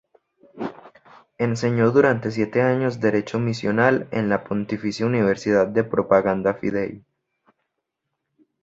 Enseñó durante siete años Derecho Misional en la Pontificia Universidad de Propaganda Fidei.